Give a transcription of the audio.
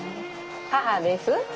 母です。